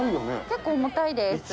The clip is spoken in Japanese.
結構重たいです。